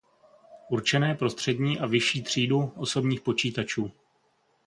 Určené pro střední a vyšší třídu osobních počítačů.